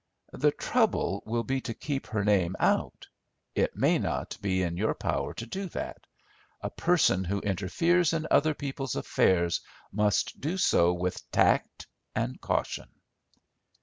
"The trouble will be to keep her name out. It may not be in your power to do that. A person who interferes in other people's affairs must do so with tact and caution."